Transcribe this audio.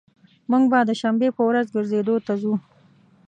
موږ به د شنبي په ورځ ګرځیدو ته ځو